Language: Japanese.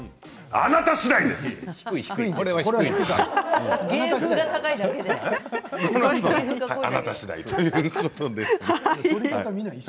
あなたしだいということです。